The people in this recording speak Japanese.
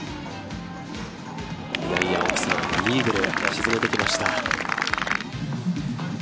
いやいや青木さん、イーグル、沈めてきました。